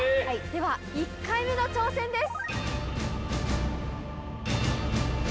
１回目の挑戦です。